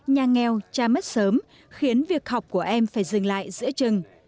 nhà nghèo cha mất sớm khiến việc học của em phải dừng lại giữa trường